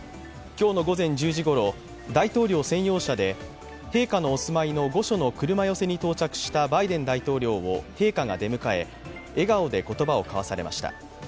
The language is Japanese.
今日の午前１０時ごろ、大統領専用車で陛下のお住まいの御所の車寄せに到着したバイデン大統領を陛下が出迎え、笑顔で言葉を交わされました。